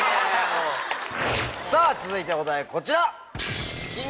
さぁ続いてお題こちら。